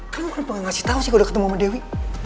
kamu kenapa ngasih tau sih kalau udah ketemu sama dewi